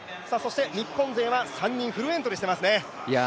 日本勢は３人、フルエントリーしていますね。